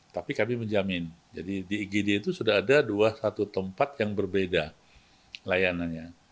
tapi kami menjamin jadi di igd itu sudah ada dua satu tempat yang berbeda layanannya